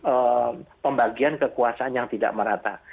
ataupun ada pembagian kekuasaan yang tidak merata